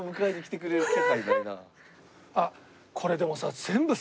あっこれでもさ。